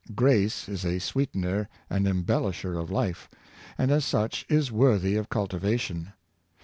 Grace is a sweetener and embel isher of life, and as such is worthy of cultivation.